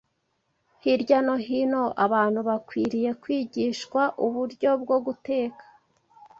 Hirya no hino abantu bakwiriye kwigishwa uburyo bwo guteka